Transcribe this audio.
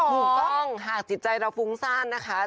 ถูกต้องหากจิตใจเราฟุ้งซ่านนะคะ